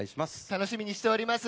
楽しみにしております。